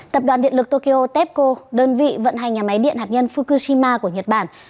tập đoàn điện lực tokyo tepco đơn vị vận hành nhà máy điện hạt nhân fukushima của nhật bản